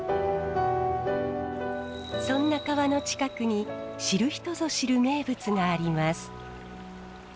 そんな川の近くに知る人ぞ知る名物があります。